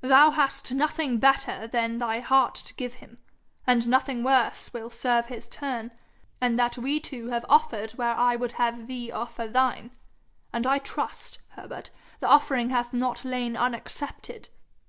'Thou hast nothing better than thy heart to give him, and nothing worse will serve his turn; and that we two have offered where I would have thee offer thine and I trust, Herbert, the offering hath not lain unaccepted.'